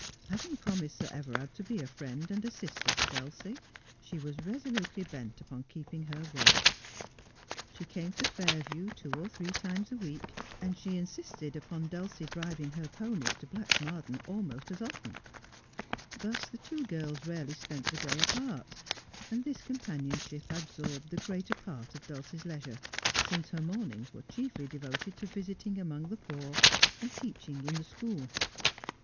Having promised Sir Everard to be a friend and a sister to Dulcie she was resolutely bent upon keeping s 258 Just as I Am. her word. She came to Fairview two or three times a week, and she insisted upon Dulcie driving her ponies to Blatchmardean almost &s often. Thus the two girls rarely spent the day apart, and this companionship absorbed the greater part of Dulcie's leisure, since her mornings were chiefly devoted to visiting among the poor, and teaching in the school.